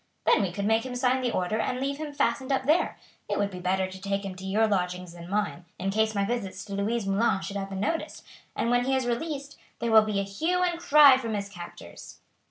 Then we could make him sign the order and leave him fastened up there. It would be better to take him to your lodgings than mine, in case my visits to Louise Moulin should have been noticed, and when he is released there will be a hue and cry after his captors."